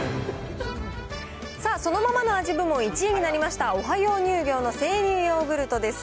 そのままの味部門１位になりました、オハヨー乳業の生乳ヨーグルトです。